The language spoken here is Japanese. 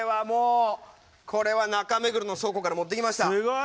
これは中目黒の倉庫から持ってきました。